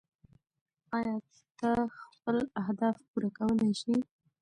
ایا ته خپل اهداف پوره کولی شې؟